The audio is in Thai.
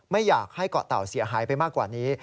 ไม่อยากให้เกาะเต่าเสียหายไปมากกว่านี้